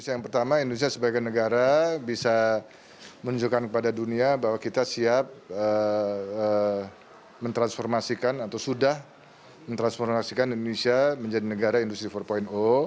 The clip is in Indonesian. yang pertama indonesia sebagai negara bisa menunjukkan kepada dunia bahwa kita siap mentransformasikan atau sudah mentransformasikan indonesia menjadi negara industri empat